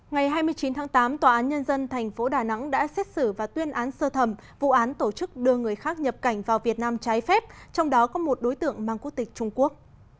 ngày hai mươi chín tháng tám tòa án nhân dân tp đà nẵng đã xét xử và tuyên án sơ thẩm vụ án tổ chức đưa người khác nhập cảnh vào việt nam trái phép trong đó có một đối tượng mang quốc tịch trung quốc